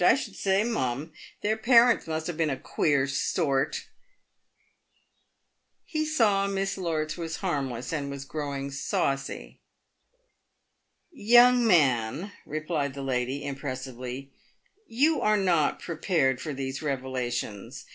I should say, mum, their parents must have been a queer sort." He saw Miss Lorts was harmless, and was growing saucy. "Young man," replied the lady, impressively, "you are not pre pared for these revelations.